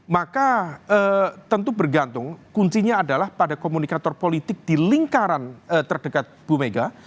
maka tentu bergantung kuncinya adalah pada komunikator politik di lingkaran terdekat bu mega